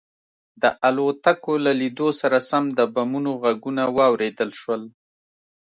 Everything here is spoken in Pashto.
د الوتکو له لیدو سره سم د بمونو غږونه واورېدل شول